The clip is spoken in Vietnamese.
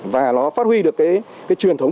và nó phát huy được cái truyền thống